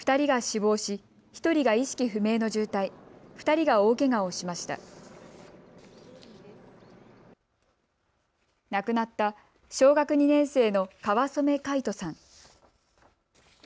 亡くなった小学２年生の川染凱仁さん。